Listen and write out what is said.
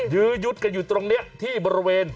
ยืดอยู่ตรงเนี้ยที่บริเวณ